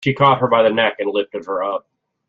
She caught her by the neck and lifted her up.